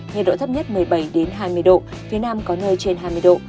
nhiệt độ thấp nhất một mươi bảy hai mươi độ phía nam có nơi trên hai mươi độ